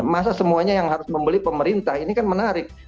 masa semuanya yang harus membeli pemerintah ini kan menarik